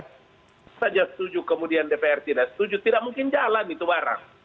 tidak saja setuju kemudian dpr tidak setuju tidak mungkin jalan itu barang